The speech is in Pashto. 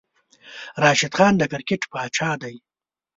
راشد خان د کرکیټ پاچاه دی